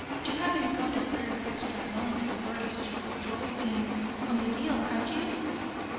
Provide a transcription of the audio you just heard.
You haven't got a pair of extra long spurs you could throw in on the deal, have you?